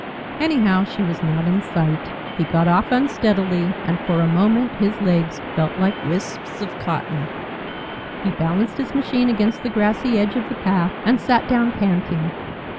Anyhow she was not in sight. He got off unsteadily, and for a moment his legs felt like wisps of cotton. He balanced his machine against the grassy edge of the path and sat down panting.